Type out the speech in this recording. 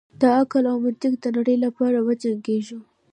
د عقل او منطق د نړۍ لپاره وجنګیږو.